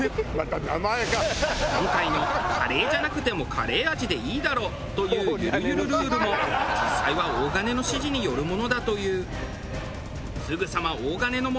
今回のカレーじゃなくてもカレー味でいいだろうというゆるゆるルールも実際は大金の指示によるものだという。